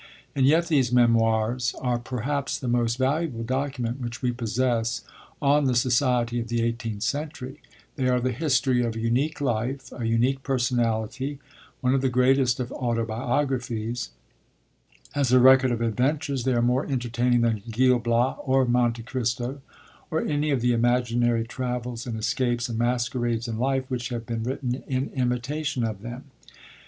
And yet these Memoirs are perhaps the most valuable document which we possess on the society of the eighteenth century; they are the history of a unique life, a unique personality, one of the greatest of autobiographies; as a record of adventures, they are more entertaining than Gil Blas, or Monte Cristo, or any of the imaginary travels, and escapes, and masquerades in life, which have been written in imitation of them.